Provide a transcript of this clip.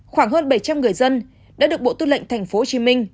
khoảng hơn bảy trăm linh người dân đã được bộ tư lệnh tp hcm